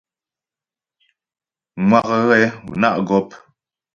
Ŋwa' ghɛ ná' gɔ́p.